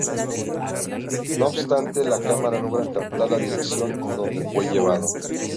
No obstante, la cámara logra captar la dirección a donde fue llevado.